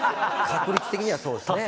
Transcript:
確率的にはそうですね。